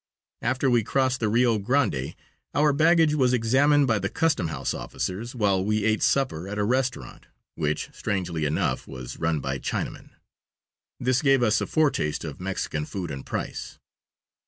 After we crossed the Rio Grande our baggage was examined by the custom house officers while we ate supper at a restaurant which, strangely enough, was run by Chinamen. This gave us a foretaste of Mexican food and price.